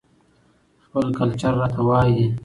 خپل کلچر راته وايى